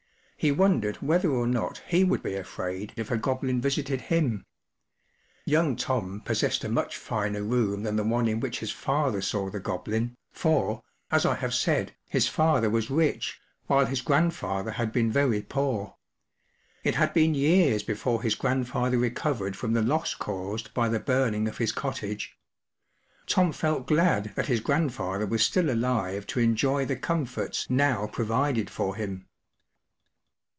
He wondered whether or not he would be afraid if a Goblin visited him* Young Tom possessed a much finer room than the one in which his father saw the Goblin* for, as I have said, his father was rich, while his grandfather had been very poor ; it had been years before his grandfather recovered from the loss caused by the burning of his cottage. Tom felt glad that his grand¬ father was still alive to enjoy the comforts now' provided for him.